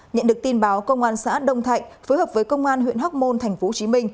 nhận được tin báo công an xã đông thạnh phối hợp với công an huyện hóc môn tp hcm